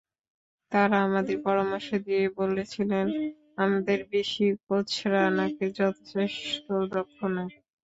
তারা আমাদের পরামর্শ দিয়ে বলেছিলেন, আমাদের দেশি কোচরা নাকি যথেষ্ট দক্ষ নয়।